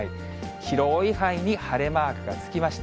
広い範囲に晴れマークがつきました。